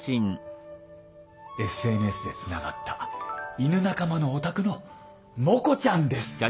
ＳＮＳでつながった犬仲間のお宅のモコちゃんです。